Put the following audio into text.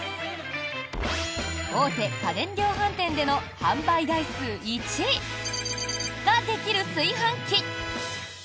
大手家電量販店での販売台数１位○○ができる炊飯器。